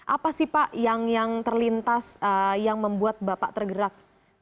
apa sih pak yang terlintas yang membuat bapak tergerak